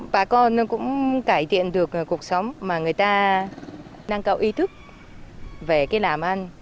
bà con cũng cải thiện được cuộc sống mà người ta năng cầu ý thức về cái làm ăn